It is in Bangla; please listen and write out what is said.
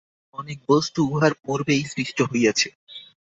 অনেক বস্তু উহার পূর্বেই সৃষ্ট হইয়াছে।